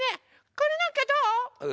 これなんかどう？